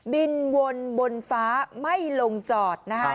วนบนฟ้าไม่ลงจอดนะคะ